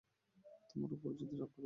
তোমার উপরে যদি রাগ করেন?